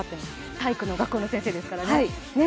体育の学校の先生ですからね。